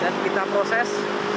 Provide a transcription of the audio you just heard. dan kita proses